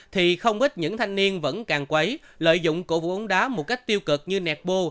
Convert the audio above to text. thì không ít những thanh niên vẫn càng quấy lợi dụng cổ vụ bóng đá một cách tiêu cực như nẹt bô